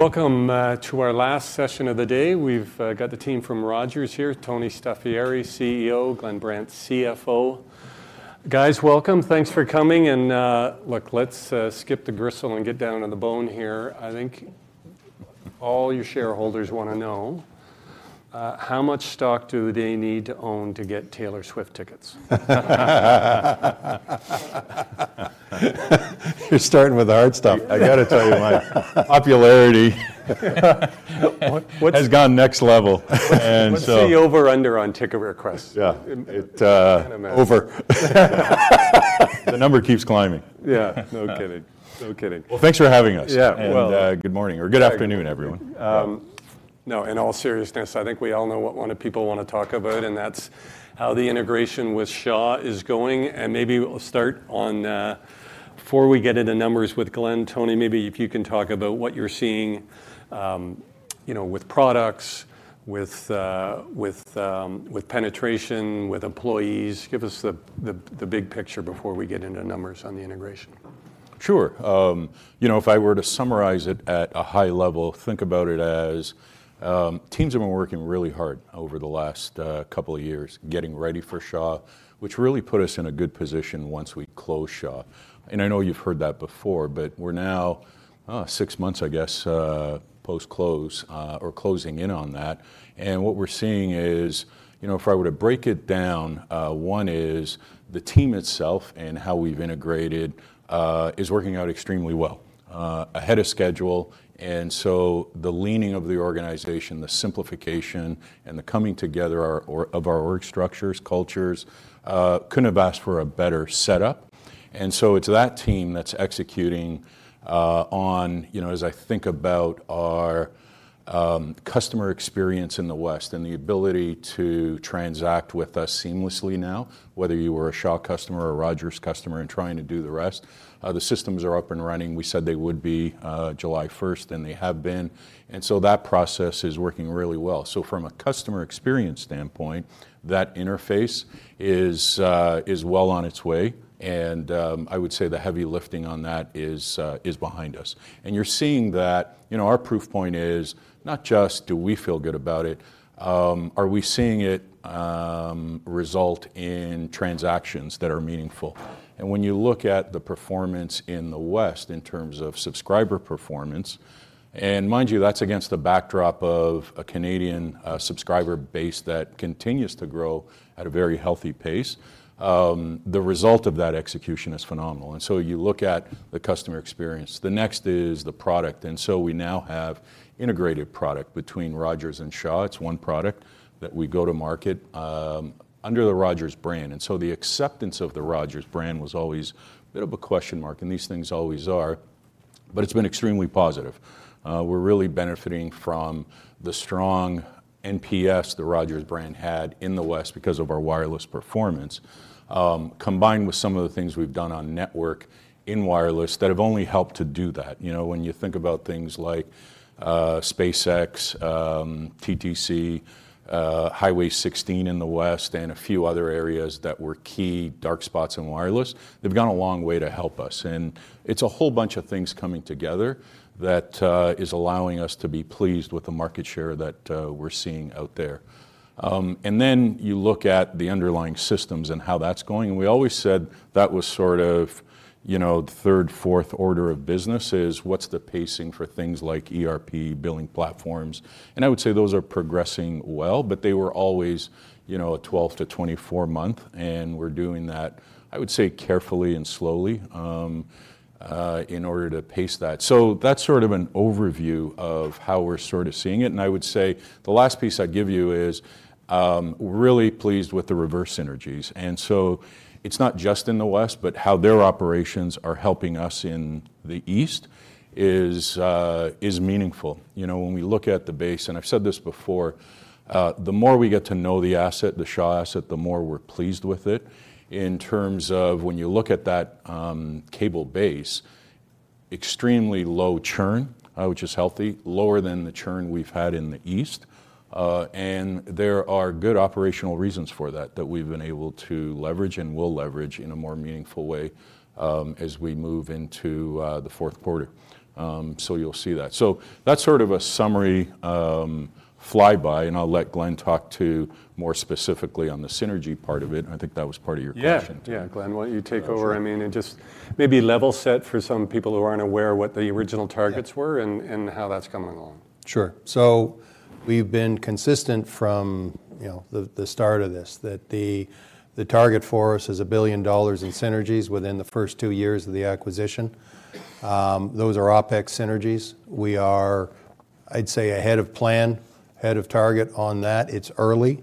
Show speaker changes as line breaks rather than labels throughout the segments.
Welcome to our last session of the day. We've got the team from Rogers here, Tony Staffieri, CEO, Glenn Brandt, CFO. Guys, welcome. Thanks for coming, and look, let's skip the gristle and get down to the bone here. I think all your shareholders wanna know how much stock do they need to own to get Taylor Swift tickets?
You're starting with the hard stuff. I gotta tell you, my popularity-
What, what-
has gone next level. And so
What's the over-under on ticket requests?
Yeah. It,...
I imagine.
Over. The number keeps climbing.
Yeah, no kidding. No kidding.
Well, thanks for having us.
Yeah, well-
Good morning, or good afternoon, everyone.
No, in all seriousness, I think we all know what a lot of people wanna talk about, and that's how the integration with Shaw is going. And maybe we'll start on... Before we get into numbers with Glenn, Tony, maybe if you can talk about what you're seeing, you know, with products, with, with penetration, with employees. Give us the big picture before we get into numbers on the integration.
Sure. You know, if I were to summarize it at a high level, think about it as, teams have been working really hard over the last couple of years getting ready for Shaw, which really put us in a good position once we closed Shaw. I know you've heard that before, but we're now six months, I guess, post-close or closing in on that, and what we're seeing is, you know, if I were to break it down, one is the team itself and how we've integrated is working out extremely well ahead of schedule. And so the leaning of the organization, the simplification, and the coming together of our org structures, cultures couldn't have asked for a better setup. And so it's that team that's executing on, you know, as I think about our customer experience in the West and the ability to transact with us seamlessly now, whether you were a Shaw customer or a Rogers customer and trying to do the rest, the systems are up and running. We said they would be July 1, and they have been, and so that process is working really well. So from a customer experience standpoint, that interface is well on its way, and I would say the heavy lifting on that is behind us. And you're seeing that... You know, our proof point is not just do we feel good about it, are we seeing it result in transactions that are meaningful? When you look at the performance in the West in terms of subscriber performance, and mind you, that's against the backdrop of a Canadian subscriber base that continues to grow at a very healthy pace, the result of that execution is phenomenal, and so you look at the customer experience. The next is the product, and so we now have integrated product between Rogers and Shaw. It's one product that we go to market under the Rogers brand. So the acceptance of the Rogers brand was always a bit of a question mark, and these things always are, but it's been extremely positive. We're really benefiting from the strong NPS the Rogers brand had in the West because of our wireless performance, combined with some of the things we've done on network in wireless that have only helped to do that. You know, when you think about things like, SpaceX, TTC, Highway 16 in the West, and a few other areas that were key dark spots in wireless, they've gone a long way to help us. And it's a whole bunch of things coming together that is allowing us to be pleased with the market share that we're seeing out there. And then you look at the underlying systems and how that's going, and we always said that was sort of, you know, the third, fourth order of business is, what's the pacing for things like ERP, billing platforms? And I would say those are progressing well, but they were always, you know, a 12- to 24-month, and we're doing that, I would say, carefully and slowly, in order to pace that. So that's sort of an overview of how we're sort of seeing it, and I would say the last piece I'd give you is really pleased with the reverse synergies. And so it's not just in the West, but how their operations are helping us in the East is meaningful. You know, when we look at the base, and I've said this before, the more we get to know the asset, the Shaw asset, the more we're pleased with it in terms of when you look at that, cable base, extremely low churn, which is healthy, lower than the churn we've had in the East. And there are good operational reasons for that, that we've been able to leverage and will leverage in a more meaningful way, as we move into the fourth quarter. So you'll see that. That's sort of a summary, fly-by, and I'll let Glenn talk to more specifically on the synergy part of it. I think that was part of your question, too.
Yeah. Yeah, Glenn, why don't you take over?
Sure.
I mean, and just maybe level set for some people who aren't aware what the original targets were-
Yeah...
and how that's coming along.
Sure. So we've been consistent from, you know, the start of this, that the target for us is 1 billion dollars in synergies within the first two years of the acquisition. Those are OpEx synergies. We are, I'd say, ahead of plan, ahead of target on that. It's early.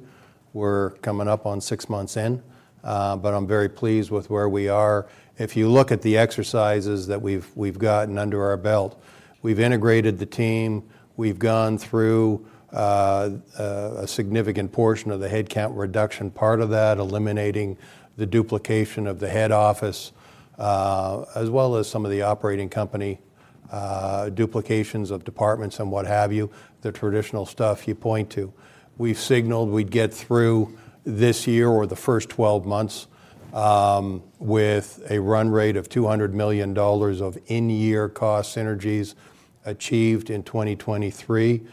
We're coming up on six months in, but I'm very pleased with where we are. If you look at the exercises that we've gotten under our belt, we've integrated the team. We've gone through a significant portion of the headcount reduction part of that, eliminating the duplication of the head office, as well as some of the operating company duplications of departments and what have you, the traditional stuff you point to. We've signaled we'd get through this year or the first 12 months with a run rate of 200 million dollars of in-year cost synergies achieved in 2023,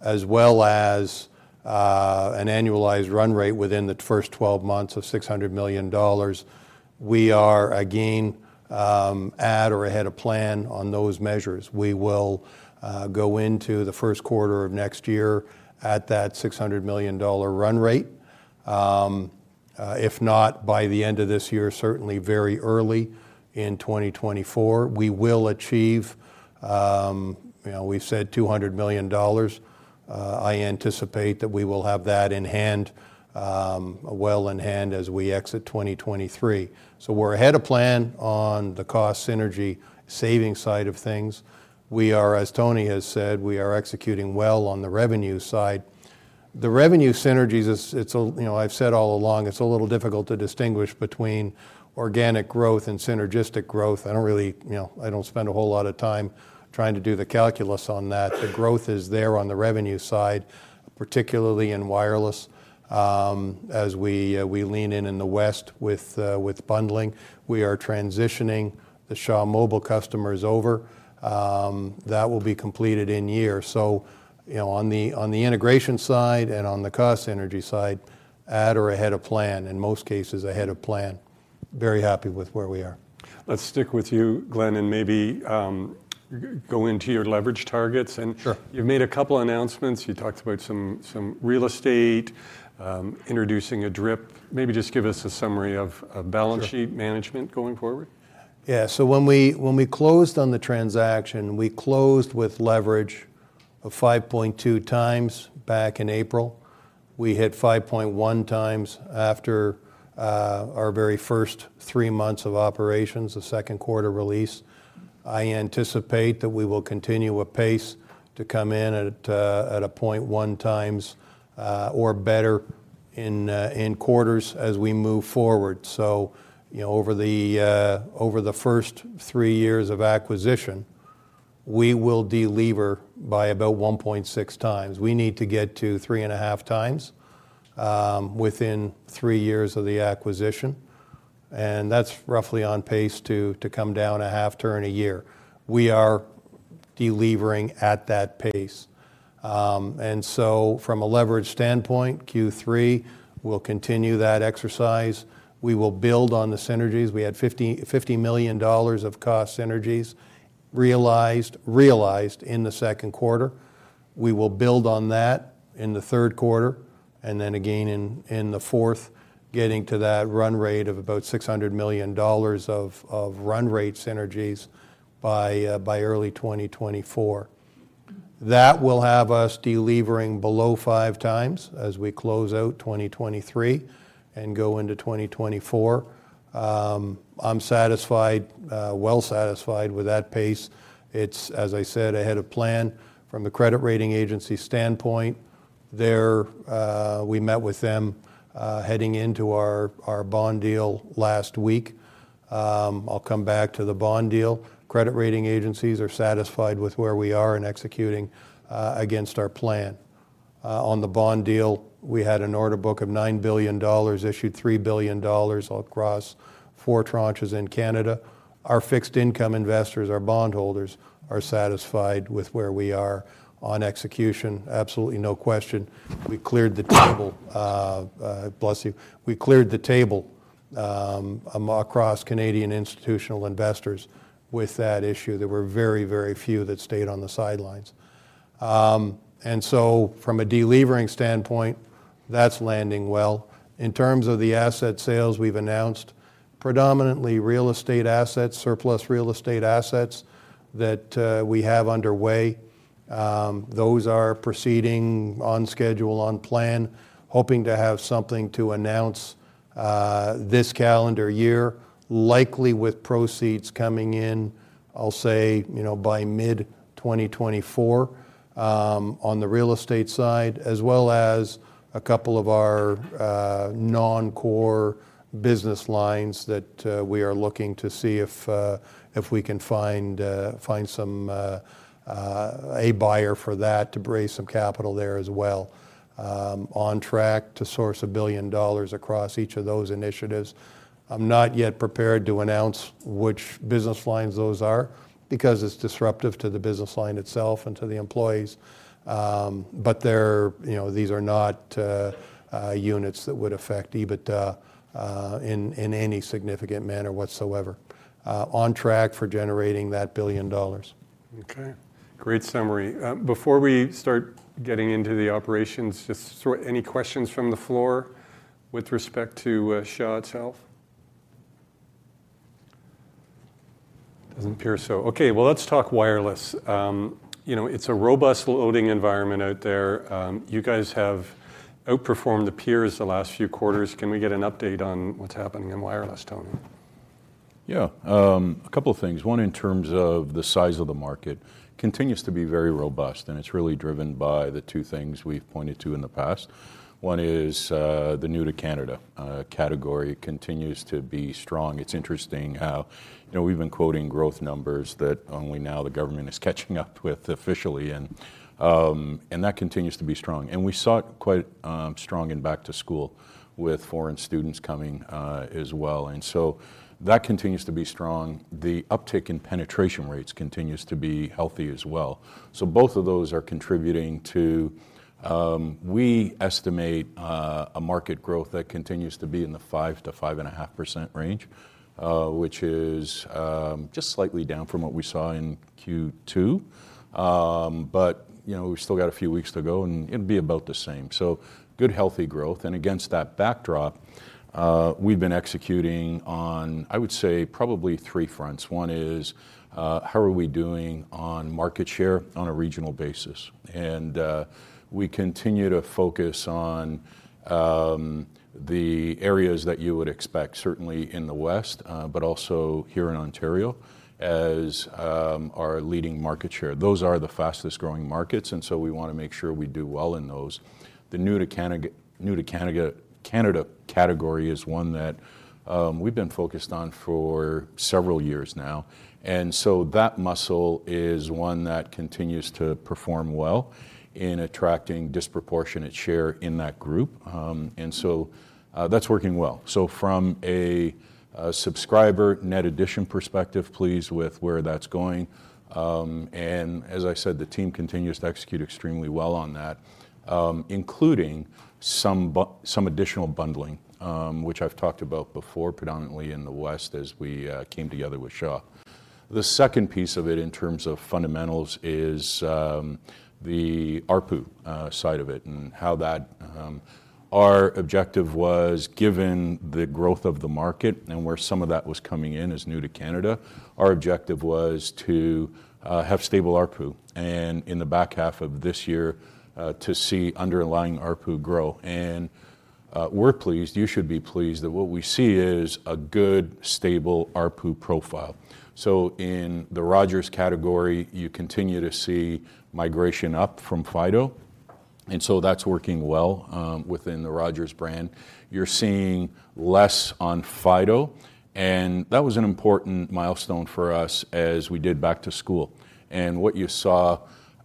as well as an annualized run rate within the first 12 months of 600 million dollars. We are, again, at or ahead of plan on those measures. We will go into Q1 of next year at that 600 million dollar run rate. If not, by the end of this year, certainly very early in 2024, we will achieve, you know, we said 200 million dollars. I anticipate that we will have that in hand, well in hand as we exit 2023. So we're ahead of plan on the cost synergy saving side of things. We are, as Tony has said, we are executing well on the revenue side. The revenue synergies, it's, you know, I've said all along, it's a little difficult to distinguish between organic growth and synergistic growth. I don't really... You know, I don't spend a whole lot of time trying to do the calculus on that. The growth is there on the revenue side, particularly in wireless. As we lean in the West with bundling, we are transitioning the Shaw Mobile customers over. That will be completed in year. So, you know, on the integration side and on the cost synergy side, at or ahead of plan, in most cases, ahead of plan. Very happy with where we are.
Let's stick with you, Glenn, and maybe go into your leverage targets and-
Sure.
You've made a couple announcements. You talked about some real estate, introducing a DRIP. Maybe just give us a summary of,
Sure...
balance sheet management going forward.
Yeah, so when we closed on the transaction, we closed with leverage of 5.2x back in April. We hit 5.1x after our very first three months of operations, Q2 release. I anticipate that we will continue apace to come in at a 0.1x or better in quarters as we move forward. So, you know, over the first three years of acquisition, we will delever by about 1.6x. We need to get to 3.5x within three years of the acquisition, and that's roughly on pace to come down 0.5 turn a year. We are delevering at that pace. And so from a leverage standpoint, Q3 will continue that exercise. We will build on the synergies. We had 50 million dollars of cost synergies realized in Q2. We will build on that in Q3, and then again in Q4, getting to that run rate of about 600 million dollars of run rate synergies by early 2024. That will have us delevering below 5x as we close out 2023 and go into 2024. I'm satisfied, well satisfied with that pace. It's, as I said, ahead of plan. From the credit rating agency standpoint, we met with them heading into our bond deal last week. I'll come back to the bond deal. Credit rating agencies are satisfied with where we are in executing against our plan. On the bond deal, we had an order book of 9 billion dollars, issued 3 billion across four tranches in Canada. Our fixed income investors, our bondholders, are satisfied with where we are on execution. Absolutely, no question. We cleared the table. We cleared the table across Canadian institutional investors with that issue. There were very, very few that stayed on the sidelines. And so from a delevering standpoint, that's landing well. In terms of the asset sales, we've announced predominantly real estate assets, surplus real estate assets, that we have underway. Those are proceeding on schedule, on plan, hoping to have something to announce this calendar year, likely with proceeds coming in, I'll say, you know, by mid-2024, on the real estate side, as well as a couple of our non-core business lines that we are looking to see if we can find a buyer for that to raise some capital there as well. On track to source 1 billion dollars across each of those initiatives. I'm not yet prepared to announce which business lines those are, because it's disruptive to the business line itself and to the employees. But they're... You know, these are not units that would affect EBITDA in any significant manner whatsoever. On track for generating that 1 billion dollars.
Okay, great summary. Before we start getting into the operations, just so any questions from the floor with respect to Shaw itself? Doesn't appear so. Okay, well, let's talk wireless. You know, it's a robust loading environment out there. You guys have outperformed the peers the last few quarters. Can we get an update on what's happening in wireless, Tony?
Yeah, a couple of things. One, in terms of the size of the market, continues to be very robust, and it's really driven by the two things we've pointed to in the past. One is, the new to Canada category continues to be strong. It's interesting how, you know, we've been quoting growth numbers that only now the government is catching up with officially, and that continues to be strong. And we saw it quite strong in back to school with foreign students coming, as well. And so that continues to be strong. The uptick in penetration rates continues to be healthy as well. So both of those are contributing to... We estimate, a market growth that continues to be in the 5%-5.5% range. which is just slightly down from what we saw in Q2. But, you know, we've still got a few weeks to go, and it'd be about the same. So good, healthy growth, and against that backdrop, we've been executing on, I would say, probably three fronts. One is how are we doing on market share on a regional basis? And we continue to focus on the areas that you would expect, certainly in the West, but also here in Ontario, as our leading market share. Those are the fastest-growing markets, and so we want to make sure we do well in those. The new to Canada category is one that we've been focused on for several years now, and so that muscle is one that continues to perform well in attracting disproportionate share in that group. And so, that's working well. So from a subscriber net addition perspective, pleased with where that's going. And as I said, the team continues to execute extremely well on that, including some additional bundling, which I've talked about before, predominantly in the West, as we came together with Shaw. The second piece of it, in terms of fundamentals, is the ARPU side of it and how that... Our objective was, given the growth of the market and where some of that was coming in as new to Canada, our objective was to have stable ARPU and, in the back half of this year, to see underlying ARPU grow. And, we're pleased, you should be pleased, that what we see is a good, stable ARPU profile. So in the Rogers category, you continue to see migration up from Fido, and so that's working well within the Rogers brand. You're seeing less on Fido, and that was an important milestone for us as we did Back to School. And what you saw,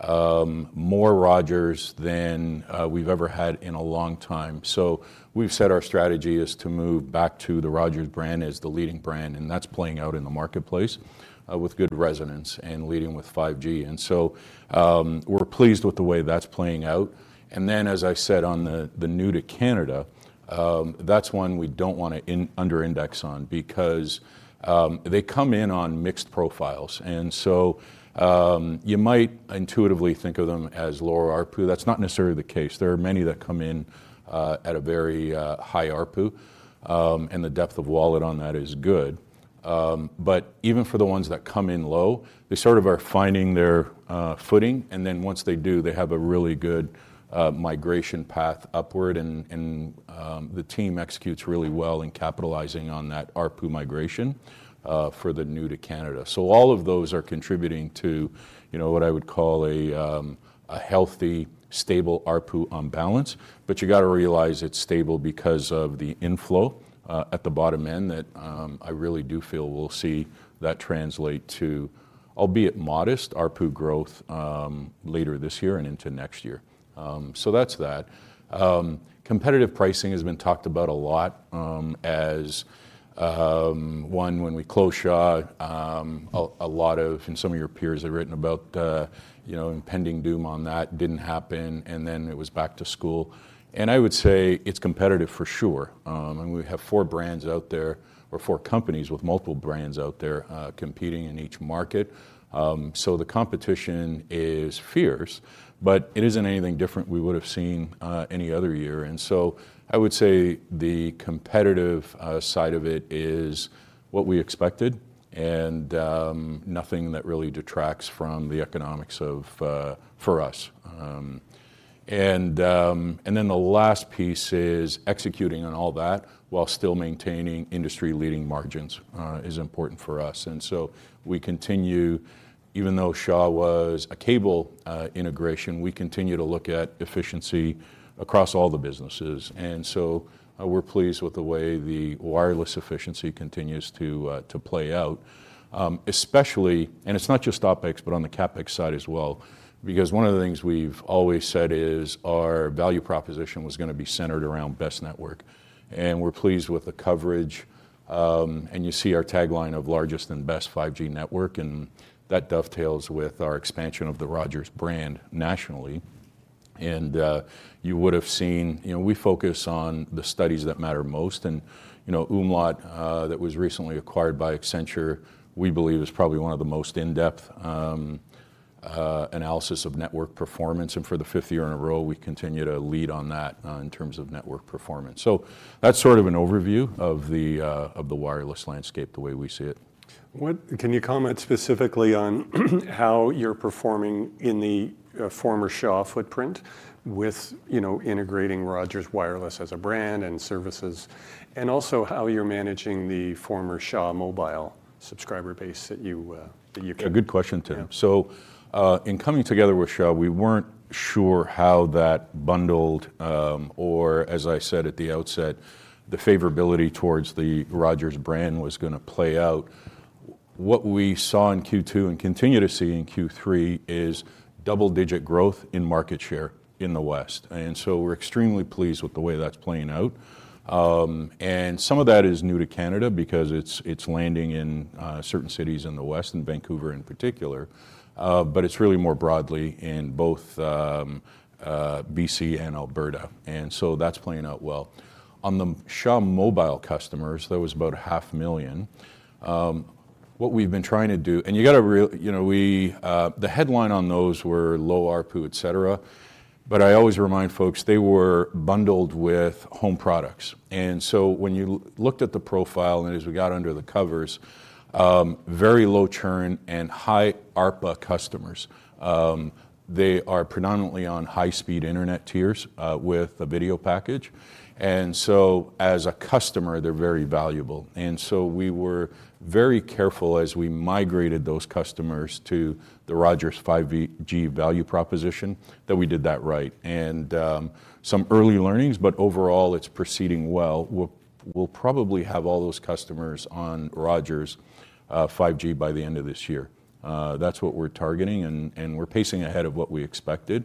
more Rogers than we've ever had in a long time. So we've said our strategy is to move back to the Rogers brand as the leading brand, and that's playing out in the marketplace with good resonance and leading with 5G. And so, we're pleased with the way that's playing out. And then, as I said, on the new to Canada, that's one we don't want to under index on, because they come in on mixed profiles. And so, you might intuitively think of them as lower ARPU. That's not necessarily the case. There are many that come in at a very high ARPU, and the depth of wallet on that is good. But even for the ones that come in low, they sort of are finding their footing, and then once they do, they have a really good migration path upward, and the team executes really well in capitalizing on that ARPU migration for the new to Canada. So all of those are contributing to, you know, what I would call a healthy, stable ARPU on balance. But you got to realize it's stable because of the inflow at the bottom end, that I really do feel we'll see that translate to, albeit modest, ARPU growth later this year and into next year. So that's that. Competitive pricing has been talked about a lot, as one when we closed Shaw, a lot of and some of your peers have written about, you know, impending doom on that. Didn't happen, and then it was Back to School. I would say it's competitive for sure. And we have four brands out there or four companies with multiple brands out there, competing in each market. So the competition is fierce, but it isn't anything different we would have seen any other year. So I would say the competitive side of it is what we expected, and nothing that really detracts from the economics of... for us. And then the last piece is executing on all that while still maintaining industry-leading margins is important for us. So we continue... Even though Shaw was a cable integration, we continue to look at efficiency across all the businesses, and so, we're pleased with the way the wireless efficiency continues to play out. Especially, and it's not just OpEx, but on the CapEx side as well, because one of the things we've always said is our value proposition was gonna be centered around best network, and we're pleased with the coverage. You see our tagline of "Largest and best 5G network," and that dovetails with our expansion of the Rogers brand nationally. You would have seen. You know, we focus on the studies that matter most, and, you know, umlaut, that was recently acquired by Accenture, we believe is probably one of the most in-depth analysis of network performance. For the fifth year in a row, we continue to lead on that in terms of network performance. That's sort of an overview of the wireless landscape, the way we see it.
What... Can you comment specifically on how you're performing in the former Shaw footprint with, you know, integrating Rogers Wireless as a brand and services, and also how you're managing the former Shaw Mobile subscriber base that you, that you-
A good question, Tim.
Yeah.
So, in coming together with Shaw, we weren't sure how that bundled, or, as I said at the outset, the favorability towards the Rogers brand was gonna play out. What we saw in Q2 and continue to see in Q3 is double-digit growth in market share in the West, and so we're extremely pleased with the way that's playing out. And some of that is new to Canada because it's landing in certain cities in the West, and Vancouver in particular. But it's really more broadly in both BC and Alberta, and so that's playing out well. On the Shaw Mobile customers, that was about 500,000, what we've been trying to do, and you gotta, you know, we, the headline on those were low ARPU, et cetera. But I always remind folks, they were bundled with home products. And so when you looked at the profile, and as we got under the covers, very low churn and high ARPA customers. They are predominantly on high-speed internet tiers, with a video package. And so as a customer, they're very valuable. And so we were very careful as we migrated those customers to the Rogers 5G value proposition, that we did that right. And, some early learnings, but overall, it's proceeding well. We'll, we'll probably have all those customers on Rogers' 5G by the end of this year. That's what we're targeting, and, and we're pacing ahead of what we expected.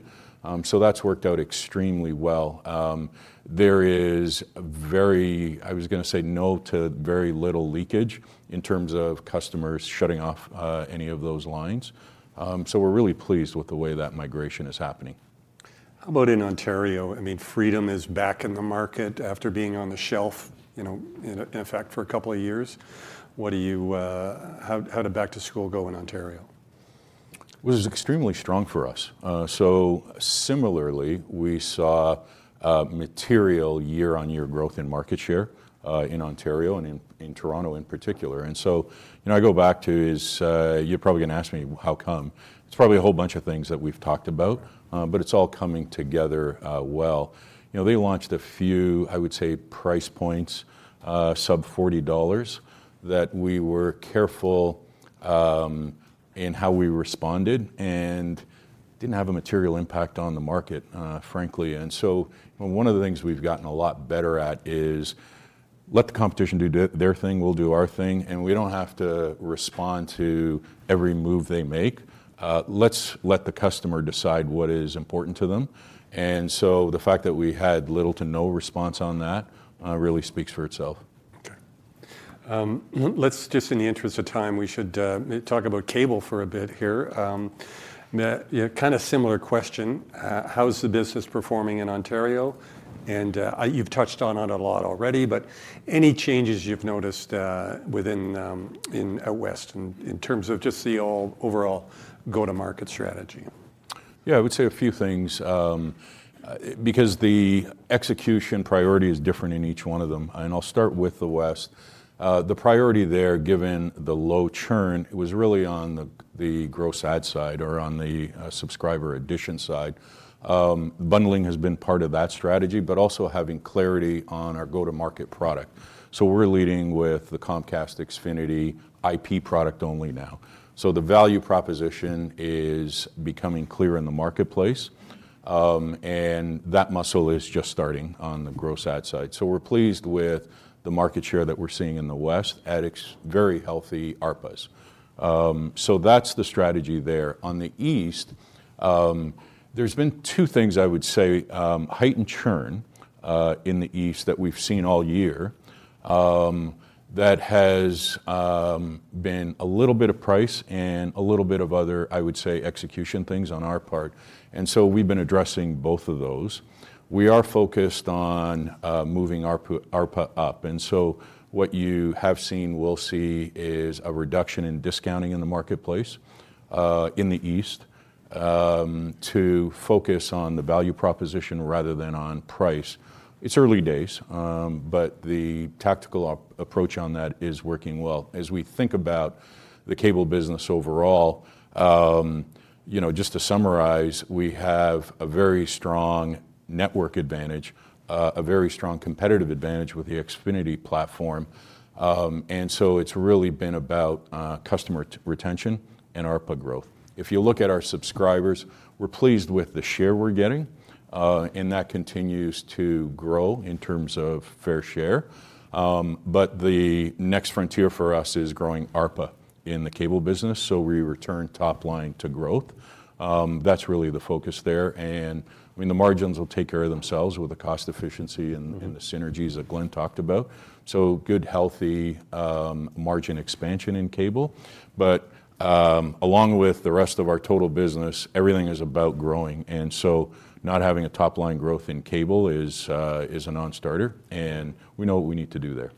So that's worked out extremely well. There is a very—I was gonna say no to very little leakage in terms of customers shutting off any of those lines. So we're really pleased with the way that migration is happening.
How about in Ontario? I mean, Freedom is back in the market after being on the shelf, you know, in effect, for a couple of years. What do you... How did back to school go in Ontario?
It was extremely strong for us. So similarly, we saw a material year-on-year growth in market share, in Ontario and in Toronto in particular. And so when I go back to is, you're probably gonna ask me, "How come?" It's probably a whole bunch of things that we've talked about, but it's all coming together, well. You know, they launched a few, I would say, price points, sub-CAD 40, that we were careful in how we responded, and didn't have a material impact on the market, frankly. And so one of the things we've gotten a lot better at is, let the competition do their thing, we'll do our thing, and we don't have to respond to every move they make. Let's let the customer decide what is important to them. The fact that we had little to no response on that really speaks for itself.
Okay. Let's just in the interest of time, we should talk about cable for a bit here. Yeah, kind of similar question. How's the business performing in Ontario? And you've touched on it a lot already, but any changes you've noticed within out West in terms of just the overall go-to-market strategy?
Yeah, I would say a few things, because the execution priority is different in each one of them, and I'll start with the West. The priority there, given the low churn, was really on the gross ad side or on the subscriber addition side. Bundling has been part of that strategy, but also having clarity on our go-to-market product. So we're leading with the Comcast Xfinity IP product only now. So the value proposition is becoming clear in the marketplace, and that muscle is just starting on the gross add side. So we're pleased with the market share that we're seeing in the West at very healthy ARPUs. So that's the strategy there. On the East, there's been two things I would say, heightened churn in the East that we've seen all year, that has been a little bit of price and a little bit of other, I would say, execution things on our part. And so we've been addressing both of those. We are focused on moving ARPU, ARPU up. And so what you have seen, will see, is a reduction in discounting in the marketplace in the East to focus on the value proposition rather than on price. It's early days, but the tactical approach on that is working well. As we think about the cable business overall, you know, just to summarize, we have a very strong network advantage, a very strong competitive advantage with the Xfinity platform. and so it's really been about customer retention and ARPU growth. If you look at our subscribers, we're pleased with the share we're getting, and that continues to grow in terms of fair share. But the next frontier for us is growing ARPU in the cable business, so we return top line to growth. That's really the focus there, and I mean, the margins will take care of themselves with the cost efficiency and-
Mm-hmm...
and the synergies that Glenn talked about. So good, healthy, margin expansion in cable. But, along with the rest of our total business, everything is about growing, and so not having a top-line growth in cable is a non-starter, and we know what we need to do there.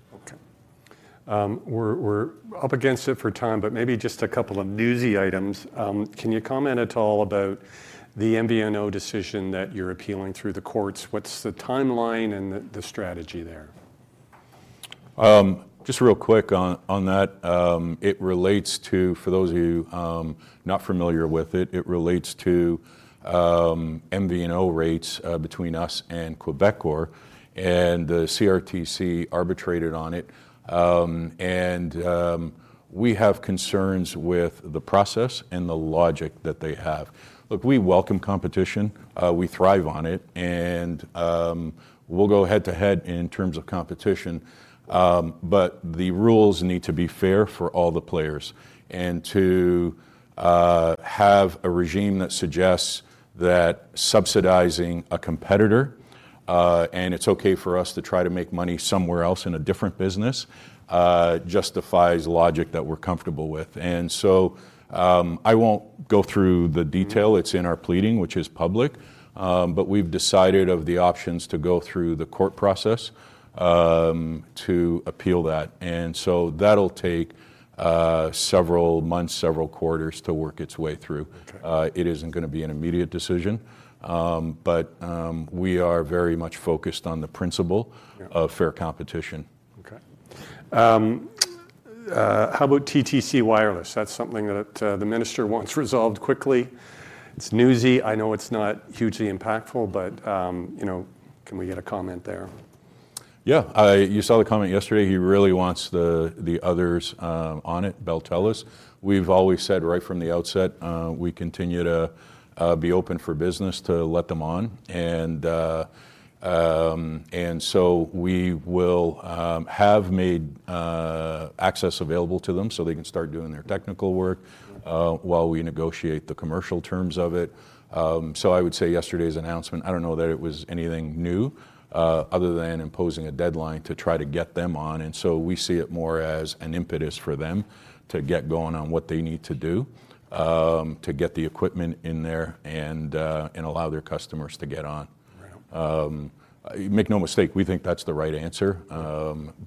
Okay. We're up against it for time, but maybe just a couple of newsy items. Can you comment at all about the MVNO decision that you're appealing through the courts? What's the timeline and the strategy there?
Just real quick on that, it relates to, for those of you not familiar with it, it relates to MVNO rates between us and Quebecor, and the CRTC arbitrated on it. We have concerns with the process and the logic that they have. Look, we welcome competition, we thrive on it, and we'll go head-to-head in terms of competition, but the rules need to be fair for all the players. To have a regime that suggests that subsidizing a competitor, and it's okay for us to try to make money somewhere else in a different business, justifies logic that we're comfortable with. So, I won't go through the detail.
Mm-hmm.
It's in our pleading, which is public. But we've decided of the options to go through the court process to appeal that, and so that'll take several months, several quarters to work its way through.
Okay.
It isn't gonna be an immediate decision. But, we are very much focused on the principle-
Yeah...
of fair competition.
Okay. How about TTC Wireless? That's something that the minister wants resolved quickly. It's newsy. I know it's not hugely impactful but, you know, can we get a comment there?
Yeah. You saw the comment yesterday. He really wants the others on it, Bell, Telus. We've always said right from the outset, we continue to be open for business to let them on. And so we will have made access available to them so they can start doing their technical work while we negotiate the commercial terms of it. So I would say yesterday's announcement. I don't know that it was anything new other than imposing a deadline to try to get them on. And so we see it more as an impetus for them to get going on what they need to do to get the equipment in there and allow their customers to get on.
Right.
Make no mistake, we think that's the right answer.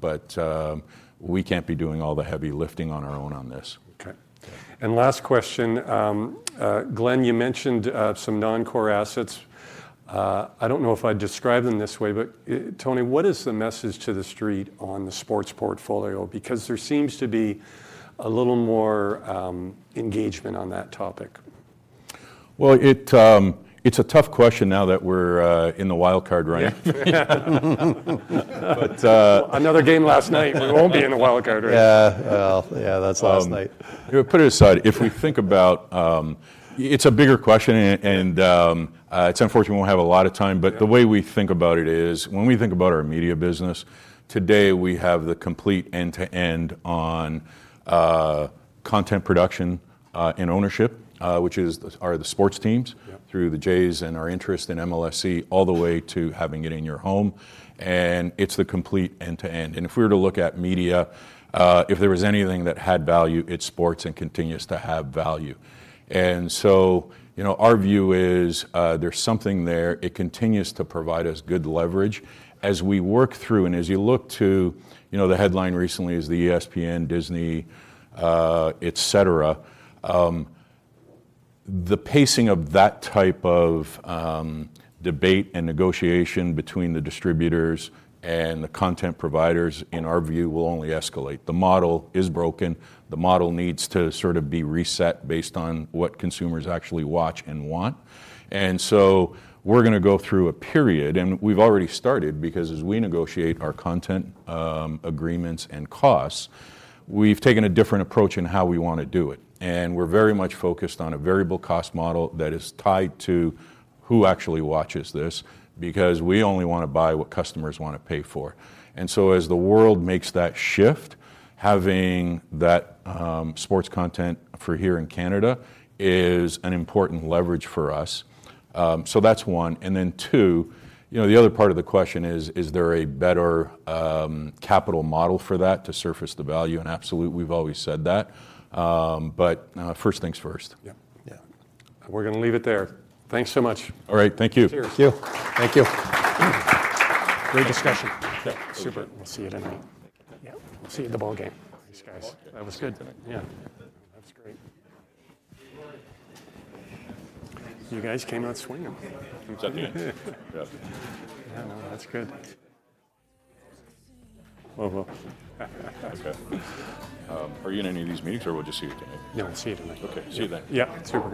But, we can't be doing all the heavy lifting on our own on this.
Okay. Last question: Glenn, you mentioned some non-core assets. I don't know if I'd describe them this way, but, Tony, what is the message to the street on the sports portfolio? Because there seems to be a little more engagement on that topic.
Well, it's a tough question now that we're in the wild card, right?
Yeah.
But, uh-
Another game last night, we won't be in the wild card, right?
Yeah. Well, yeah, that's last night.
We'll put it aside. If we think about... It's a bigger question, and it's unfortunate we don't have a lot of time.
Yeah.
But the way we think about it is, when we think about our media business, today we have the complete end-to-end on content production, and ownership, which are the sports teams-
Yeah...
through the Jays and our interest in MLSE, all the way to having it in your home, and it's the complete end-to-end. If we were to look at media, if there was anything that had value, it's sports, and continues to have value. So, you know, our view is, there's something there. It continues to provide us good leverage. As we work through, and as you look to, you know, the headline recently is the ESPN, Disney, et cetera, the pacing of that type of debate and negotiation between the distributors and the content providers, in our view, will only escalate. The model is broken. The model needs to sort of be reset based on what consumers actually watch and want. And so we're gonna go through a period, and we've already started, because as we negotiate our content agreements and costs, we've taken a different approach in how we wanna do it. And we're very much focused on a variable cost model that is tied to who actually watches this, because we only wanna buy what customers wanna pay for. And so as the world makes that shift, having that sports content for here in Canada is an important leverage for us. So that's one. And then, two, you know, the other part of the question is, is there a better capital model for that to surface the value? And absolutely, we've always said that. But first things first.
Yeah.
Yeah.
We're gonna leave it there. Thanks so much.
All right, thank you.
Cheers.
Thank you. Thank you.
Great discussion.
Yeah.
Super. We'll see you tonight.
Yeah.
See you at the ball game. Thanks, guys.
That was good.
Yeah. That's great. You guys came out swinging.
Yep. Yep.
Yeah. No, that's good. Well, well.
Okay. Are you in any of these meetings or we'll just see you tonight?
No, I'll see you tonight.
Okay, see you then.
Yeah, see you tonight.